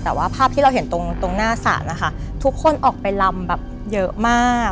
แต่ว่าภาพที่เราเห็นตรงหน้าศาลนะคะทุกคนออกไปลำแบบเยอะมาก